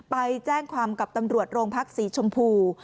ไปแจ้งความกับตำรวจโรงพักศรีชมพู